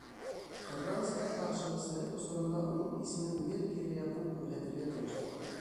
Ҡыҙғанысҡа ҡаршы, совет осоронда уның исемен гел кире яҡтан күрһәтергә тырыштылар.